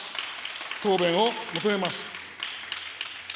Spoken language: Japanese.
答弁を求めます。